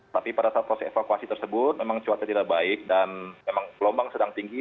tapi pada saat proses evakuasi tersebut memang cuaca tidak baik dan memang gelombang sedang tinggi